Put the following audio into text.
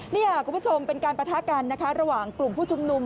นี่ค่ะคุณผู้ชมเป็นการปะทะกันนะคะระหว่างกลุ่มผู้ชุมนุม